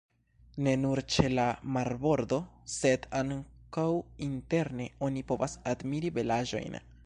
Ne nur ĉe la marbordo, sed ankaŭ interne, oni povas admiri belaĵojn.